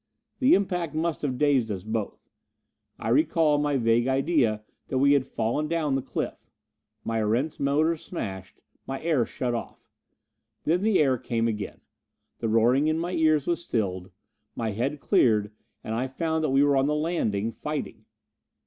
The impact must have dazed us both. I recall my vague idea that we had fallen down the cliff my Erentz motors smashed my air shut off. Then the air came again. The roaring in my ears was stilled; my head cleared, and I found that we were on the landing fighting.